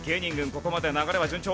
ここまで流れは順調。